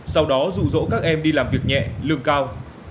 sau đó dụ dỗ các em đi làm việc nhẹ lương cao